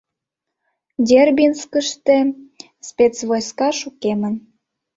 Дербинскыште спецвойска шукемын.